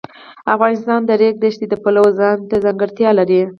افغانستان د د ریګ دښتې د پلوه ځانته ځانګړتیا لري.